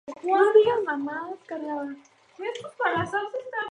María Tudor era abuela de Catalina Grey, y por tanto, bisabuela de Eduardo.